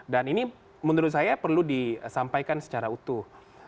dan ini menurut saya perlu disampaikan secara utuh